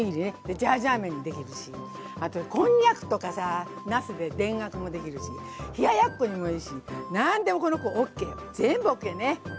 ジャージャー麺にできるしあとこんにゃくとかさなすで田楽もできるし冷ややっこにもいいし何でもこの子ＯＫ全部ＯＫね。